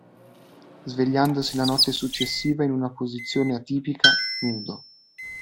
Svegliandosi la notte successiva in una posizione atipica, nudo.